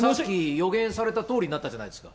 予言されたとおりになったじゃないですか。